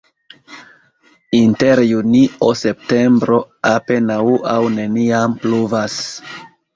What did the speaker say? Inter junio-septembro apenaŭ aŭ neniam pluvas.